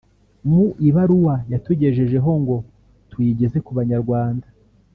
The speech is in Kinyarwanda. Mu ibaruwa yatugejejeho ngo tuyigeze ku banyarwanda